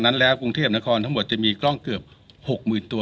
นั้นแล้วกรุงเทพนครทั้งหมดจะมีกล้องเกือบ๖๐๐๐ตัว